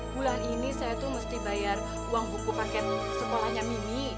bulan ini saya tuh mesti bayar uang buku paket sekolahnya mimi